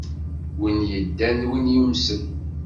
Win yeddan d win yumsen.